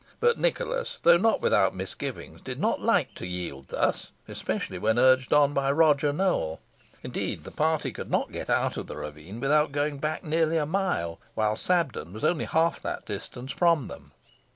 But Nicholas, though not without misgivings, did not like to yield thus, especially when urged on by Roger Nowell. Indeed, the party could not get out of the ravine without going back nearly a mile, while Sabden was only half that distance from them.